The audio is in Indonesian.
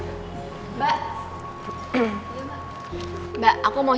aku mau sesuatu rasainnya really manyan ga iya na boy